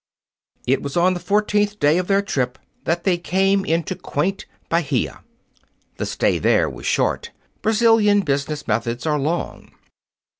It was on the fourteenth day of their trip that they came into quaint Bahia. The stay there was short. Brazilian business methods are long.